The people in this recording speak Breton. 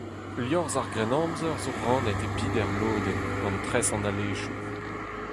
Liorzh ar Grennamzer zo rannet e peder lodenn gant tres an alezioù.